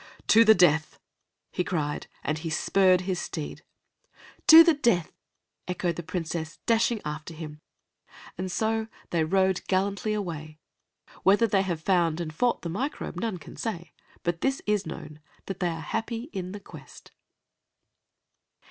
"To the death!" he cried, and he spurred his steed. "To the death!" echoed the Princess, dashing after him, and so they rode gallantly away. Whether they have found and fought the Microbe none can say, but this is known, that they are happy in the quest.